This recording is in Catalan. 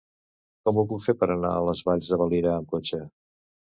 Com ho puc fer per anar a les Valls de Valira amb cotxe?